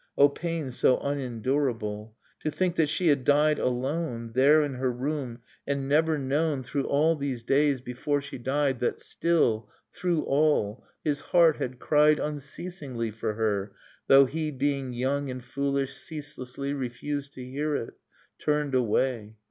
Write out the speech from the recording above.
Oh pain so unendurable ! To think that she had died alone. There in her room, and never known Through all these days before she died That still, through all, his heart had cried Unceasingly for her, though he. Being young and foolish, ceaselessly Refused to hear it, turned away.